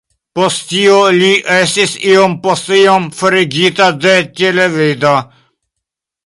Post tio, li estis iom post iom forigita de televido.